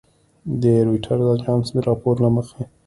د رویټرز اژانس د راپور له مخې